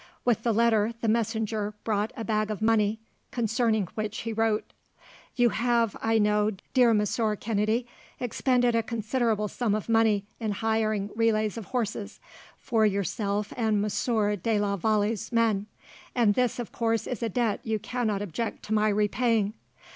With the letter the messenger brought a bag of money, concerning which he wrote: "You have, I know, dear Monsieur Kennedy, expended a considerable sum of money in hiring relays of horses, for yourself and Monsieur de la Vallee's men; and this, of course, is a debt you cannot object to my repaying.